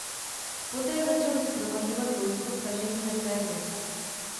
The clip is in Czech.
Poté začali shromažďovat vojsko k tažení na Théby.